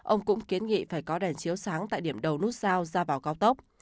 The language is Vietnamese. ông cũng kiến nghị phải có đèn chiếu sáng tại điểm đầu nút giao ra vào cao tốc